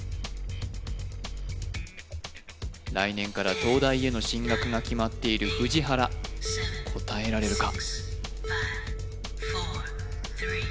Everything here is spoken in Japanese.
来年から東大への進学が決まっている藤原答えられるか？